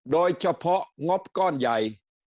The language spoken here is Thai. โดยเฉพาะงบก้อนใหญ่